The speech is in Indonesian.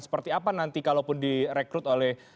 seperti apa nanti kalau pun direkrut oleh